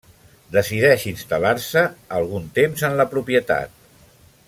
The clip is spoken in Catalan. Decideix instal·lar-se algun temps en la propietat.